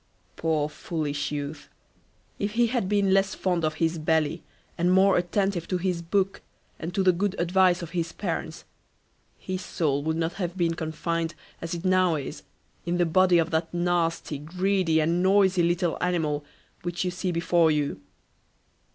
Poor foolish youth, if he had been less fond of his belly, and more attentive to his book, and to the good advice of his parents, his soul would not have been confined as it now is, in the body of that nasty, greedy, and noisy little animal which you see before you.